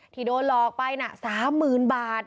ที่โดนหลอกไปนะสามหมื่นบาท